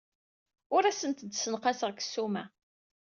Ur asent-d-ssenqaseɣ deg ssuma.